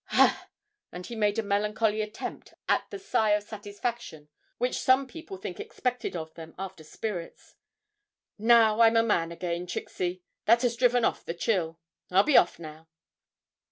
'Ha!' and he made a melancholy attempt at the sigh of satisfaction which some people think expected of them after spirits. 'Now I'm a man again, Trixie; that has driven off the chill. I'll be off now.'